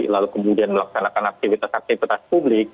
lalu kemudian melaksanakan aktivitas aktivitas publik